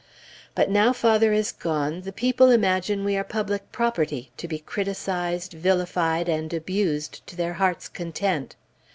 But now father is gone, the people imagine we are public property, to be criticized, vilified, and abused to their hearts' content....